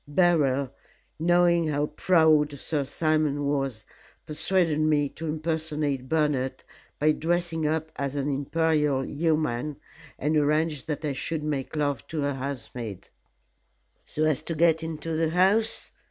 Beryl, knowing how proud Sir Simon was, persuaded me to impersonate Bernard by dressing up as an Imperial Yeoman, and arranged that I should make love to a housemaid " "So as to get into the house?"